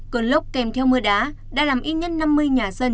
cơn lốc kèm theo mưa đá đã làm ít nhất năm mươi nhà dân